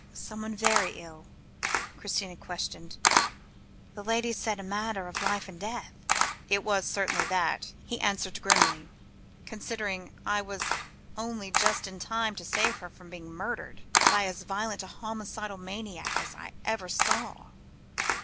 "Was someone very ill?" Christina questioned; "the lady said 'a matter of life and death.'" "It was certainly that," he answered grimly, "considering I was only just in time to save her from being murdered, by as violent a homicidal maniac as I ever saw."